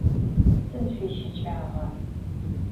Sıd şsuişı'aç'a?